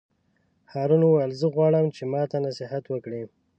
هارون وویل: زه غواړم چې ماته نصیحت وکړې.